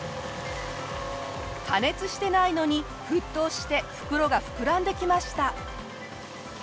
加熱してないのに沸騰して袋が膨らんできました。